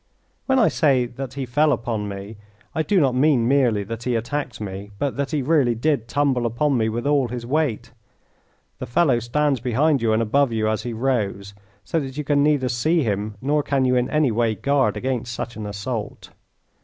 When I say that he fell upon me I do not mean merely that he attacked me, but that he really did tumble upon me with all his weight. The fellow stands behind you and above you as he rows, so that you can neither see him nor can you in any way guard against such an assault.